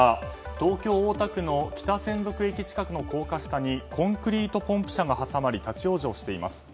東京・大田区の北千束駅近くの高架下にコンクリートポンプ車が挟まり立ち往生しています。